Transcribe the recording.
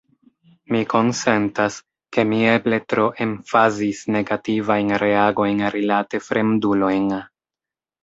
Mi konsentas, ke mi eble tro emfazis negativajn reagojn rilate fremdulojn.